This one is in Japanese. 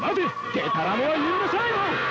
でたらめは許さないぞ！